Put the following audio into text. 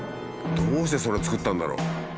どうしてそれを作ったんだろう？